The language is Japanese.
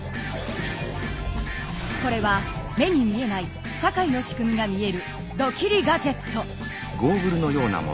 これは目に見えない社会の仕組みが見えるドキリ・ガジェット。